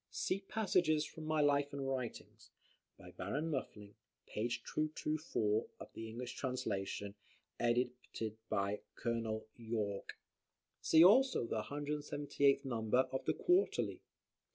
[See "Passages from my Life and Writings," by Baron Muffling, p. 224 of the English Translation, edited by Col. Yorke. See also the 178th number of the QUARTERLY.